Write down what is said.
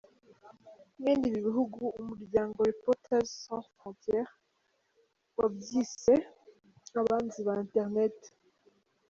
Mwene ibi bihugu, umuryango Reporters sans frontiers wabyise abanzi ba internet.